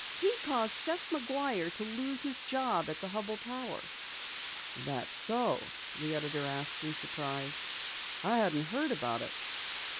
"He caused Seth McGuire to lose his job at the Hubell Tower." "That so?" the editor asked in surprise. "I hadn't heard about it."